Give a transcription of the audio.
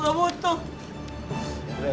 aku lepaskan semuanya